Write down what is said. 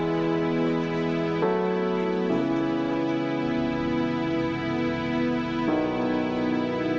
โดยอย่างที่มีมากเกินกว่า